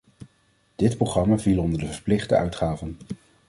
Dit programma viel onder de verplichte uitgaven.